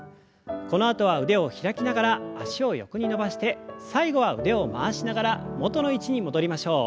このあとは腕を開きながら脚を横に伸ばして最後は腕を回しながら元の位置に戻りましょう。